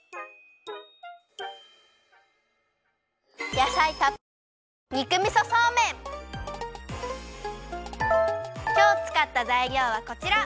やさいたっぷりきょうつかったざいりょうはこちら！